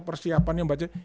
persiapan yang baca